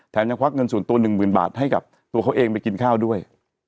แถมยังพักเงินสูตรตัว๑หมื่นบาทให้กับตัวเขาเองไปกินข้าวด้วย